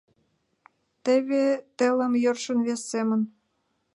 Теве телым йӧршын вес семын.